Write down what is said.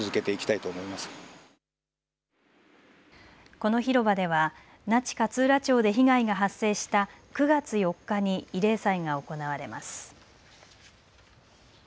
この広場では那智勝浦町で被害が発生した９月４日に慰霊祭が行われます。